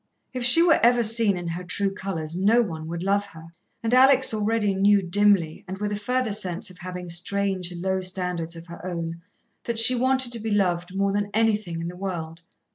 If she were ever seen in her true colours, no one would love her, and Alex already knew dimly, and with a further sense of having strange, low standards of her own, that she wanted to be loved more than anything in the world.